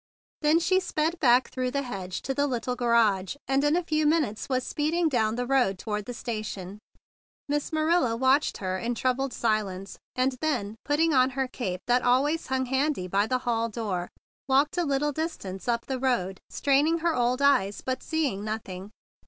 Then she sped back through the hedge to the little garage, and in a few minutes was speeding down the road toward the station. Miss Marilla watched her in troubled silence, and then, putting on her cape that al¬ ways hung handy by the hall door, walked a little distance up the road, straining her old eyes, but seeing noth¬ ing.